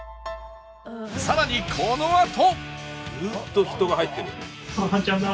さらにこのあと！